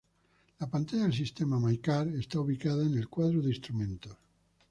La pantalla del sistema My car está ubicada en el cuadro de instrumentos.